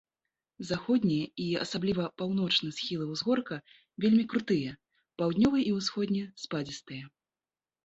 Заходні і асабліва паўночны схілы ўзгорка вельмі крутыя, паўднёвы і ўсходні спадзістыя.